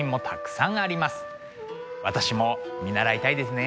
私も見習いたいですね。